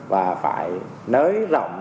và phải nới rộng